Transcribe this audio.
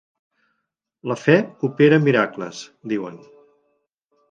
La fe opera miracles, diuen.